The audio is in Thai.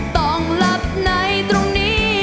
สอะร้องกลับมาโฆษี